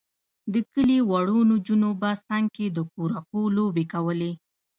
د کلي وړو نجونو به څنګ کې د کورکو لوبې کولې.